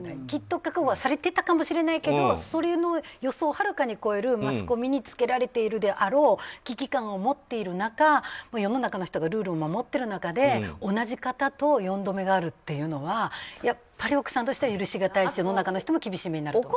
きっと覚悟はされてたかもしれないけどそれの予想をはるかに超えるマスコミにつけられているであろう危機感を持っている中世の中の人がルールを守ってる中で同じ方と４度目があるっていうのはやっぱり奥さんとしたら許しがたいし世の中も厳しめになる。